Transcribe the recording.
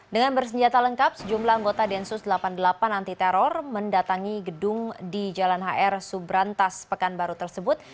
dengan bersenjata lengkap sejumlah anggota densus delapan puluh delapan anti teror mendatangi gedung di jalan hr subrantas pekanbaru tersebut